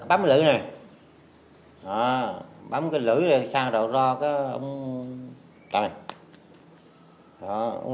bấm cái lưỡi này bấm cái lưỡi ra xa rồi ro cái ông